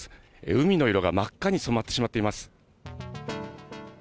海の色が真っ赤に染まってしまっています。